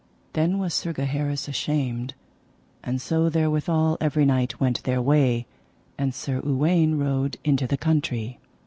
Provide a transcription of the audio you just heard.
Then was Sir Gaheris ashamed, and so therewithal every knight went their way, and Sir Uwaine rode into the country.